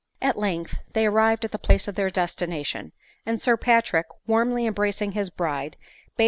At length they arrived at the place of their destina tion ; and Sir Patrick, warmly embracing his bride, bade / 64 ADELINE MOWBRAY.